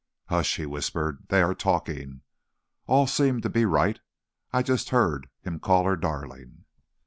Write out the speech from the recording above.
"Hush!" he whispered; "they are talking. All seems to be right. I just heard him call her darling."